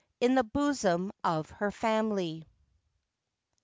IN THE BOSOM OF HER FAMILY.